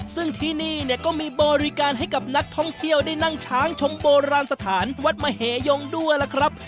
ซึ่งที่นี่เนี่ยก็มีบริการให้กับนักท่องเที่ยวได้นั่งช้างชมโบราณสถานวัดมเหยงด้วยล่ะครับ